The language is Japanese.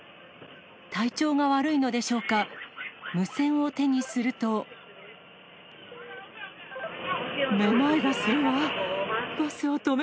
体調が悪いのでしょうか、無線をめまいがするわ。